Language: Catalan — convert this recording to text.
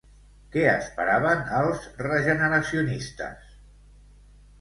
Què esperaven els regeneracionistes?